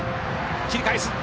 切り返す。